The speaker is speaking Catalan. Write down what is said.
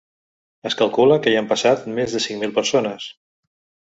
Es calcula que hi han passat més de cinc mil persones.